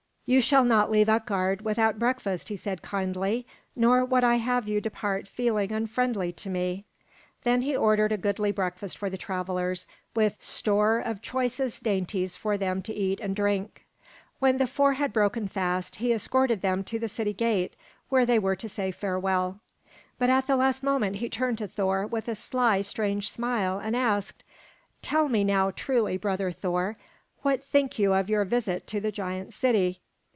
"You shall not leave Utgard without breakfast," he said kindly, "nor would I have you depart feeling unfriendly to me." Then he ordered a goodly breakfast for the travelers, with store of choicest dainties for them to eat and drink. When the four had broken fast, he escorted them to the city gate where they were to say farewell. But at the last moment he turned to Thor with a sly, strange smile and asked, "Tell me now truly, brother Thor; what think you of your visit to the giant city?